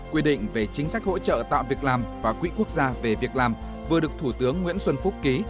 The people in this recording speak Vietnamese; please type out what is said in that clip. quy định về chính sách hỗ trợ tạo việc làm và quỹ quốc gia về việc làm vừa được thủ tướng nguyễn xuân phúc ký